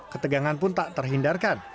ketegangan pun tak terhindarkan